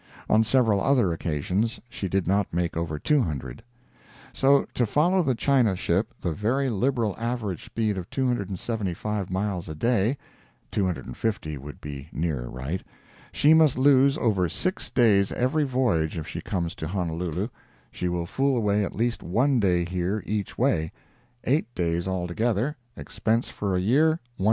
On several other occasions she did not make over 200. So, to allow the China ship the very liberal average speed of 275 miles a day (250 would be nearer right), she must lose over six days every voyage if she comes to Honolulu; she will fool away at least one day here, each way—eight days altogether; expense for a year, $144,000.